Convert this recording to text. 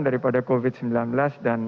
daripada covid sembilan belas dan